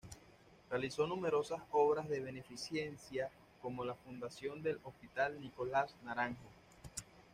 Realizó numerosas obras de beneficencia, como la fundación del Hospital Nicolás Naranjo.